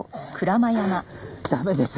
駄目です。